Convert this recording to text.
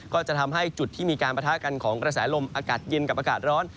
ก็จะทำให้จุดที่มีการประทะกันของกระแสลมอากาศเย็นกับอากาศร้อน